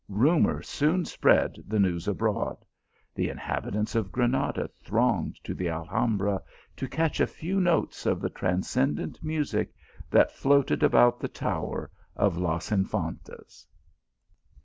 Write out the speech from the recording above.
Rumour soon spread the news abroad. The inhabitants of Granada thronged to the Alhambra, to catch a few notes of the transcendent music that floated about the tower of Las Infantas.